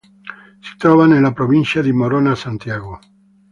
Si trova nella Provincia di Morona-Santiago.